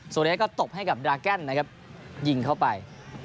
เลสก็ตบให้กับดราแกนนะครับยิงเข้าไป